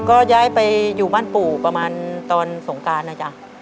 ก็ย้ายไปอยู่บ้านปู่ประมาณตอนสงการนะจ๊ะ